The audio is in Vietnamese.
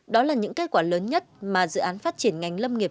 đó là những kết quả lớn nhất mà dự án phát triển ngành lâm nghiệp